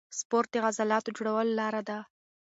سپورت د عضلاتو جوړولو لاره ده.